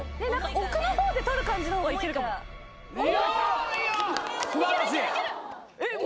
奥の方で取る感じの方がいけるかもおーいいよ！